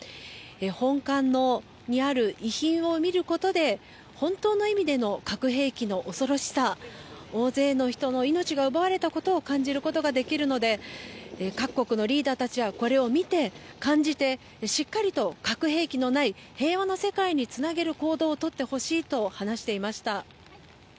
本館にある遺品を見ることで本当の意味での核兵器の恐ろしさ大勢の人の命が奪われたことを感じることができるので各国のリーダーたちはこれを見て、感じてしっかりと、核兵器のない平和な世界につなげる行動をとってほしいと話していました。